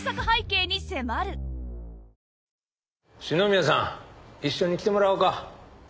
四宮さん一緒に来てもらおうか。